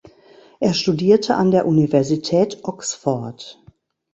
Er studierte an der Universität Oxford.